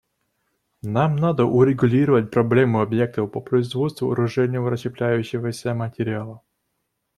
Нам надо урегулировать проблему объектов по производству оружейного расщепляющегося материала.